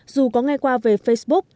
dù có nghe qua về facebook